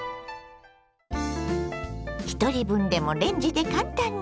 ひとり分でもレンジで簡単に！